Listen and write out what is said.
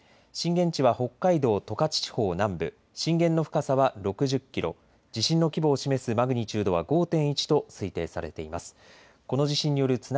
震源地は北海道十勝地方南部、震源の深さは６０キロ、地震の規模を示すマグニチュードは５．１と推定されています。